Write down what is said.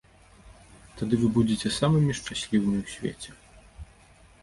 Тады вы будзеце самымі шчаслівымі ў свеце!